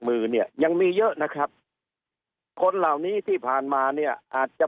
มือเนี่ยยังมีเยอะนะครับคนเหล่านี้ที่ผ่านมาเนี่ยอาจจะ